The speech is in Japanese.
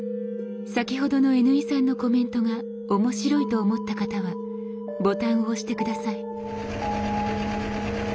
先ほどのＮ井さんのコメントが面白いと思った方はボタンを押して下さい。